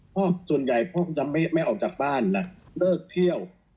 ส่วนใหญ่พ่อผมจะไม่ออกจากบ้านนะเลิกเที่ยว